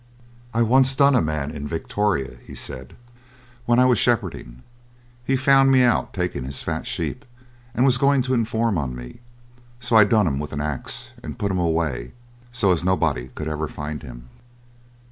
"I once done a man in Victoria," he said, "when I was shepherding; he found me out taking his fat sheep, and was going to inform on me, so I done him with an axe, and put him away so as nobody could ever find him."